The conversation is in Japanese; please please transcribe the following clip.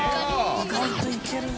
意外といけるぞ？